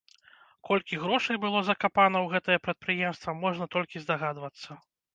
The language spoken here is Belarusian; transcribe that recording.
Колькі грошай было закапана ў гэтае прадпрыемства, можна толькі здагадвацца.